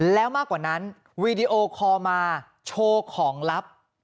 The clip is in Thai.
แล้วมากกว่านั้นวีดีโอคอลมาโชว์ของลับ